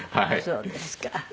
そうですか。